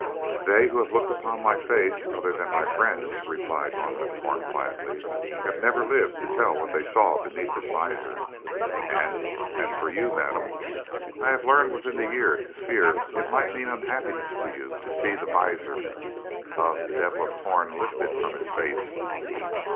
"They who have looked upon my face, other than my friends," replied Norman of Torn quietly, "have never lived to tell what they saw beneath this visor, and as for you, Madame, I have learned within the year to fear it might mean unhappiness to you to see the visor of the Devil of Torn lifted from his face."